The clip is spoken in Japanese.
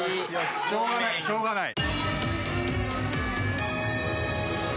・しょうがないしょうがない。